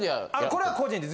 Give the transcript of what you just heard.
これは個人で。